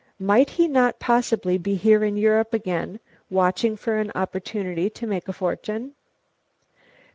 "Might he not possibly be here in Europe again, watching for an opportunity to make a fortune?"